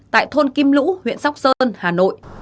tại thôn kim lũ huyện sóc sơn hà nội